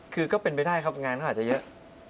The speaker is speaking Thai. คือก็เป็นไปได้ครับงานเขาอาจจะเยอะ